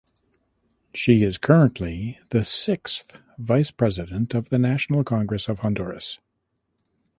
She is currently the sixth vice president of the National Congress of Honduras.